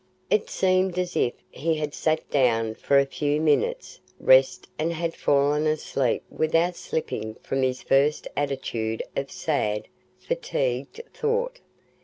It seemed as if he had sat down for a few minutes' rest and had fallen asleep without slipping from his first attitude of sad, fatigued thought.